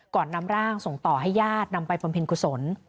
ก่อนนำร่างส่งต่อให้ญาตินำไปปรัมเพลินกุศล